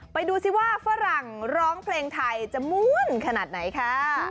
ไปดูซิว่าฝรั่งร้องเพลงไทยจะม่วนขนาดไหนค่ะ